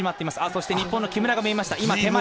そして日本の木村が見えました。